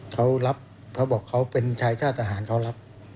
เขารับเขาบอกเขาเป็นชายชาติทหารเขารับ